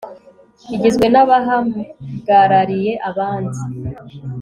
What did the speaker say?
igizwe n abahagarariye abandi